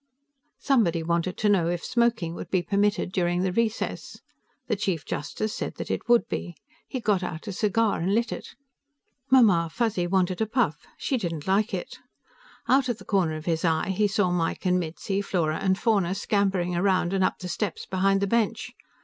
Somebody wanted to know if smoking would be permitted during the recess. The Chief Justice said that it would. He got out a cigar and lit it. Mamma Fuzzy wanted a puff: she didn't like it. Out of the corner of his eye, he saw Mike and Mitzi, Flora and Fauna scampering around and up the steps behind the bench.